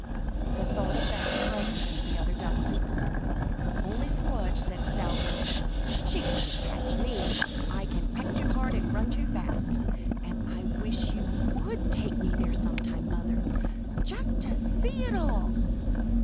The thought of that frightened the other ducklings—only Squdge said stoutly, "She couldn't catch me! I can peck too hard and run too fast, and I wish you would take me there some time, mother, just to see it all."